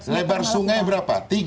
lebar sungai berapa